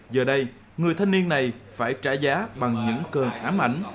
giờ đây người thanh niên này phải trả giá bằng những cơn ám ảnh